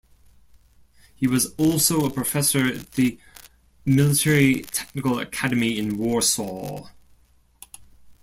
He was also a professor at the Military Technical Academy in Warsaw.